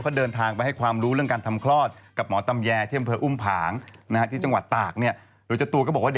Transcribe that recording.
เขาไปเป็นหมอตำแยทำคลอด